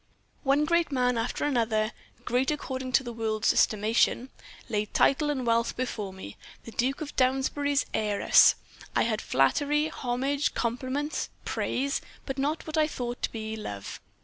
One great man after another great according to the world's estimation laid title and wealth before me, the Duke of Downsbury's heiress. I had flattery, homage, compliments, praise, but not what I thought to be love.